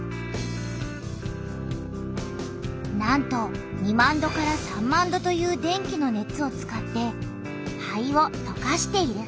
なんと２万度３万度という電気の熱を使って灰を溶かしている。